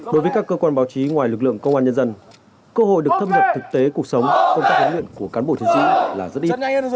đối với các cơ quan báo chí ngoài lực lượng công an nhân dân cơ hội được thâm nhập thực tế cuộc sống công tác huyện nguyện của cán bộ chiến sĩ